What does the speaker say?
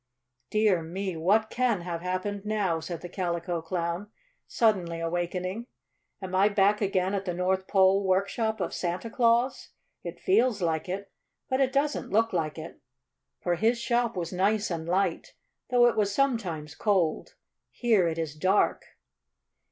"Dear me! what can have happened now?" said the Calico Clown, suddenly awakening. "Am I back again at the North Pole workshop of Santa Claus? It feels like it, but it doesn't look like it. For his shop was nice and light, though it was sometimes cold. Here it is dark."